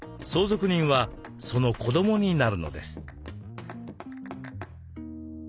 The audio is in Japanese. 相続人はその子どもになるのです。